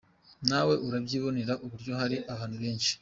Nawe urabyibonera uburyo hari abantu benshi.